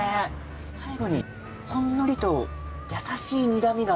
最後にほんのりと優しい苦みが。